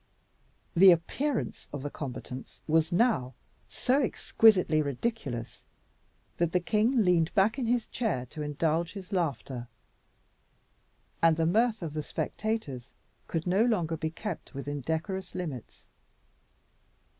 The appearance of the combatants was now so exquisitely ridiculous, that the king leaned back in his chair to indulge his laughter, and the mirth of the spectators could no longer be kept within decorous limits.